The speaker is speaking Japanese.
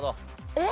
えっ？